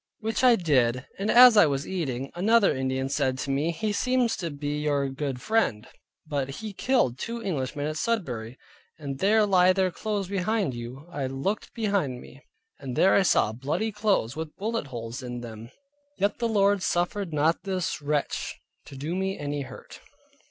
Which I did, and as I was eating, another Indian said to me, he seems to be your good friend, but he killed two Englishmen at Sudbury, and there lie their clothes behind you: I looked behind me, and there I saw bloody clothes, with bullet holes in them. Yet the Lord suffered not this wretch to do me any hurt.